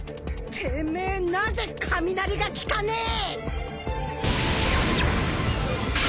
てめえなぜ雷が効かねぇ！？